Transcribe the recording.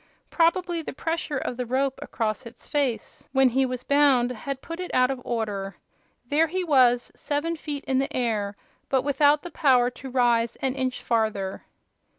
Probably the pressure of the rope across its face, when he was bound, had put it out of order. There he was, seven feet in the air, but without the power to rise an inch farther.